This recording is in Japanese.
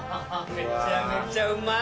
めちゃめちゃうまい。